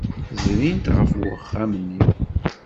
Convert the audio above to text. Zrint ɣef uxxam-nni.